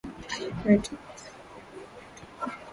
Kwetu, ntakubeba kwetu